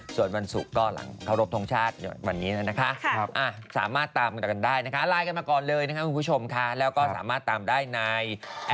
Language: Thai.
สวัสดีครับข้าวใส่ไทย